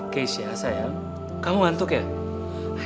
keisha saya kamu ngantuk ya